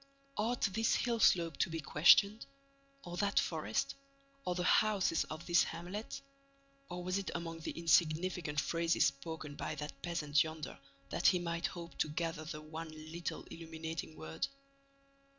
Ought this hill slope to be questioned? Or that forest? Or the houses of this hamlet? Or was it among the insignificant phrases spoken by that peasant yonder that he might hope to gather the one little illuminating word?